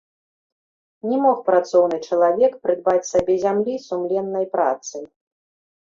Не мог працоўны чалавек прыдбаць сабе зямлі сумленнай працай.